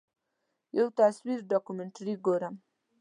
یو تصویري ډاکومنټري ګورم.